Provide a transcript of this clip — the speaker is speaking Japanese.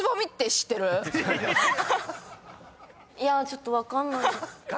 ちょっと分かんない。